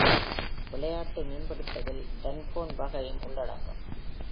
விளையாட்டு மீன்பிடித்தலில் டர்போன் வகையும் உள்ளடங்கும்.